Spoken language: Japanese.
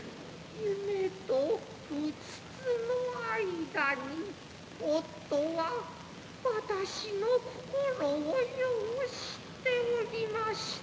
夢とうつつの間に夫は私の心をよう知っておりました。